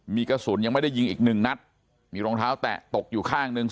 มีกระสุนยังไม่ได้ยิงอีกหนึ่งนัดมีรองเท้าแตะตกอยู่ข้างหนึ่ง